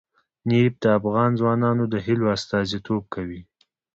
نفت د افغان ځوانانو د هیلو استازیتوب کوي.